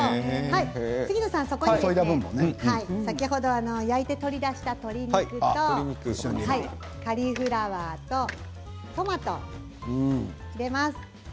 杉野さん、ここに先ほど焼いて取り出した鶏肉とカリフラワーとトマト入れます。